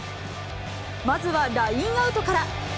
まずはラインアウトから。